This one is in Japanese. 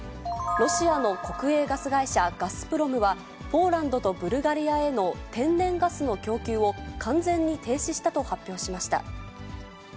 ロシアの国営ガス会社、ガスプロムは、ポーランドとブルガリアへの天然ガスの供給を、完全に停止したと発表しました。